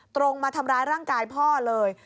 ตรงมาทำร้ายร่างกายพ่อเลย